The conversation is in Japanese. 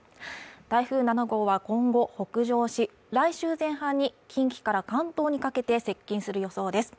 台風７号は今後北上し来週前半に近畿から関東にかけて接近する予想です